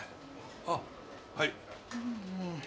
あっはい。